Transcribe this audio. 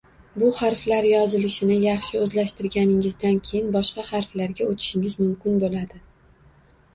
Bu harflar yozilishini yaxshi o’zlashtirganingizdan keyin boshqa harflarga o’tishingiz mumkin bo’ladi